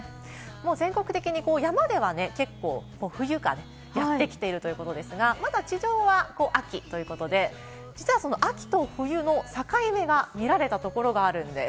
全国的に山では結構、冬がやってきているということですが、まだ地上は秋ということで、秋と冬の境目が見られたところがあるんです。